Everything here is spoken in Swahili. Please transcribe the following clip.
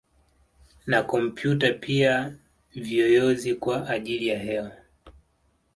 Na kompyuta pia viyoyozi kwa ajili ya hewa